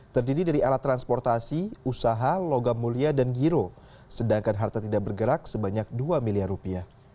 terdiri dari alat transportasi usaha logam mulia dan giro sedangkan harta tidak bergerak sebanyak dua miliar rupiah